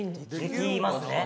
できますね。